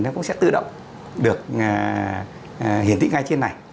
nó cũng sẽ tự động được hiển thị ngay trên này